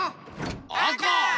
あか！